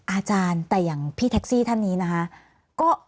อาจารย์แต่อย่างพี่แท็กซี่ท่านนี้นะคะ